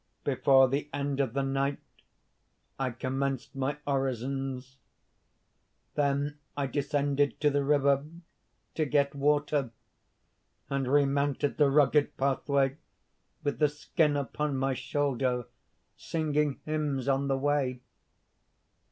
Before the end of the night I commenced my orisons; then I descended to the river to get water, and remounted the rugged pathway with the skin upon my shoulder, singing hymns on the way.